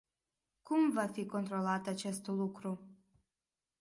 Cum va fi controlat acest lucru?